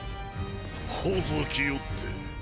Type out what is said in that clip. ほざきよって。